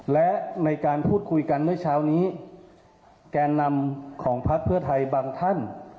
และในการพูดคุยกันเมื่อเช้านี้แกนนำของพักเพื่อไทยบางท่าน